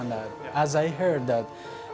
seperti yang saya dengar